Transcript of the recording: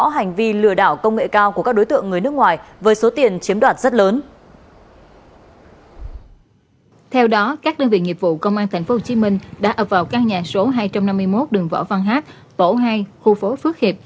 hãy đăng ký kênh để ủng hộ kênh của chúng mình nhé